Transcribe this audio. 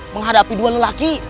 menghadapi dua lelaki